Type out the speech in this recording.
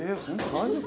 大丈夫？